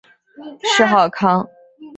谥号康。